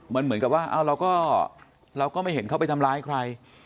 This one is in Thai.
มันเหมือนกับว่าเราก็ไม่เห็นเขาไปทำร้ายใคร